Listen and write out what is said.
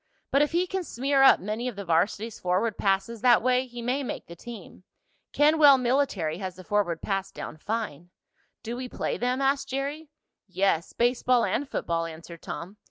But if he can smear up many of the varsity's forward passes that way he may make the team. Kenwell Military has the forward pass down fine." "Do we play them?" asked Jerry. "Yes, baseball and football," answered Tom.